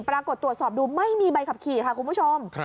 ปรากฏตรวจสอบดูไม่มีใบขับขี่ค่ะคุณผู้ชม